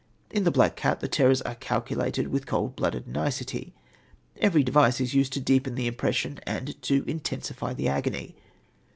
In The Black Cat the terrors are calculated with cold blooded nicety. Every device is used to deepen the impression and to intensify the agony.